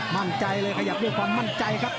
มั่นใจเลยขยับด้วยความมั่นใจครับ